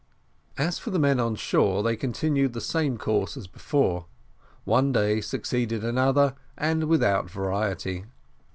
As for the men on shore, they continued the same course, if not as before, one day succeeded another, and without variety.